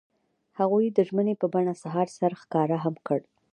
هغوی د ژمنې په بڼه سهار سره ښکاره هم کړه.